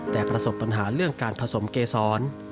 แต่ประสบปัญหาเรื่องการผสมเกษร